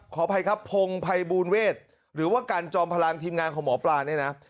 ขออภัยครับพงภัยบูลเวศหรือว่ากันจอมพลังทีมงานของหมอปลาเนี่ยนะ